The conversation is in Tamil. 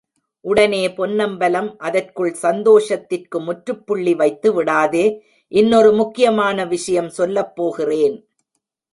உடனே பொன்னம்பலம், அதற்குள் சந்தோஷத்திற்கு முற்றுப்புள்ளி வைத்து விடாதே இன்னொரு முக்கியமான விஷயம் சொல்லப் போகிறேன்.